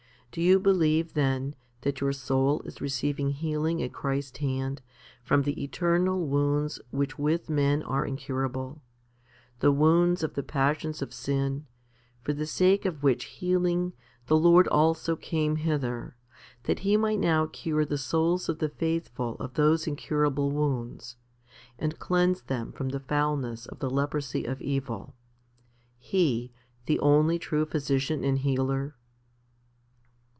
Do you believe, then, that your soul is receiving healing at Christ's hand from the eternal wounds which with men are incurable, the wounds of the passions of sin, for the sake of which healing the Lord also came hither, that He might now cure the souls of the faithful of those incurable wounds, and cleanse them from the foulness of the leprosy of evil, He, the only true physician and healer?